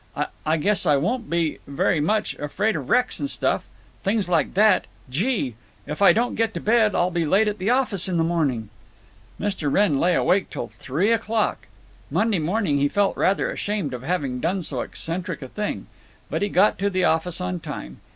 I guess I won't be—very much—afraid of wrecks and stuff. ... Things like that. ... Gee! If I don't get to bed I'll be late at the office in the morning!" Mr. Wrenn lay awake till three o'clock. Monday morning he felt rather ashamed of having done so eccentric a thing. But he got to the office on time.